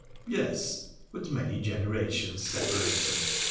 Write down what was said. ' Yes ; but many generations separate them.